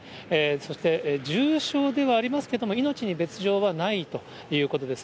そして、重傷ではありますけども、命に別状はないということです。